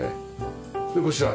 でこちら。